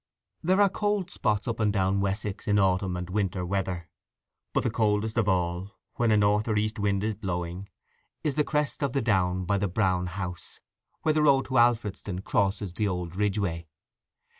There are cold spots up and down Wessex in autumn and winter weather; but the coldest of all when a north or east wind is blowing is the crest of the down by the Brown House, where the road to Alfredston crosses the old Ridgeway.